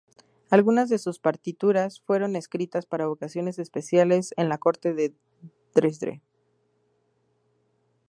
Algunas de sus partituras fueron escritas para ocasiones especiales en la corte de Dresde.